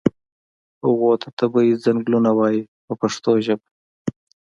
هغو ته طبیعي څنګلونه وایي په پښتو ژبه.